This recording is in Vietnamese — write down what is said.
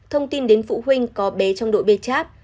thông tin đến phụ huynh có bé trong đội bê chát